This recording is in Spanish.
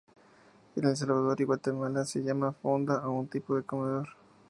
En El Salvador y Guatemala, se llama fonda a un tipo de comedor.